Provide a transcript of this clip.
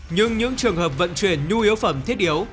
nhưng những trường hợp vận chuyển nhu yếu phẩm thiết yếu